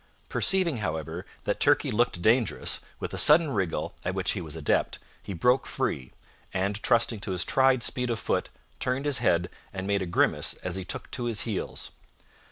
Perceiving, however, that Turkey looked dangerous, with a sudden wriggle, at which he was an adept, he broke free, and, trusting to his tried speed of foot, turned his head and made a grimace as he took to his heels.